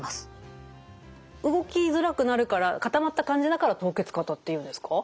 動きづらくなるから固まった感じだから凍結肩っていうんですか？